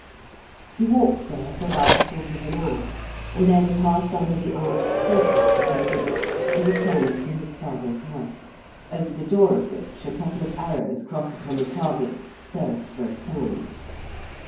He walked there for about a quarter of an hour, and then passed under the arched portal of the precinct, and returned to his father's house, over the door of which a couple A LEQEND OF GUNDULPE'S TOWER 95 of arrows crossed upon a target served for a sign.